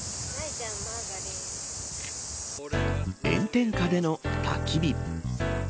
炎天下でのたき火。